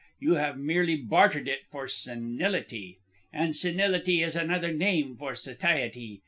You have merely bartered it for senility. And senility is another name for satiety.